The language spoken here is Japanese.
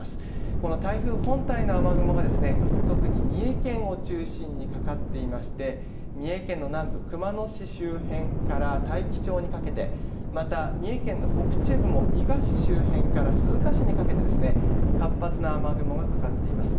この台風本体の雨雲が特に三重県を中心にかかっていまして三重県の南部、熊野市周辺から大紀町にかけて、また三重県の北中部も伊賀市周辺から鈴鹿市にかけて活発な雨雲がかかっています。